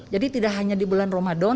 tidak hanya di bulan ramadan